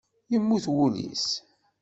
Yemmut wul-is.